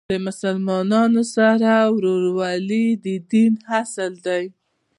د مسلمانانو سره ورورولۍ د دین اصل دی.